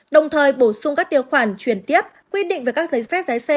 đồng thời bổ sung các tiêu khoản chuyển tiếp quy định về các giấy phép lái xe